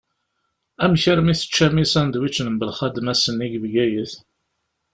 Amek armi teččam isandwičen n Belxadem ass-nni deg Bgayet?